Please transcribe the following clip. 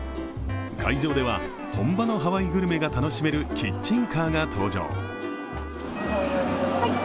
会場では、本場のハワイグルメが楽しめるキッチンカーが登場。